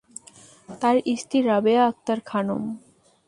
তার স্ত্রী রাবেয়া আক্তার খানম।